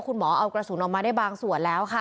คุณหมอเอากระสุนออกมาได้บางส่วนแล้วค่ะ